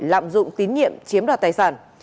lạm dụng tín nhiệm chiếm đoạt tài sản